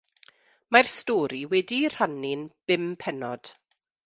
Mae'r stori wedi'i rhannu'n bum pennod.